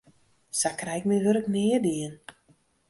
Sa krij ik myn wurk nea dien.